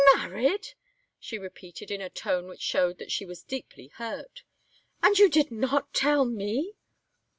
"Married!" she repeated in a tone which showed that she was deeply hurt. "And you did not tell me!"